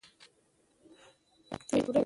د کلیوالي میرمنو اقتصاد ښه شوی؟